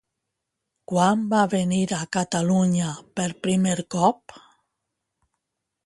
Quan va venir a Catalunya per primer cop?